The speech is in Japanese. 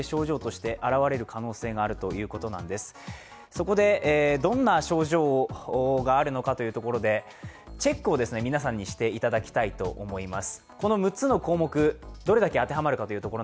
そこで、どんな症状があるのかというところで、チェックを皆さんにしていただきたいと思います。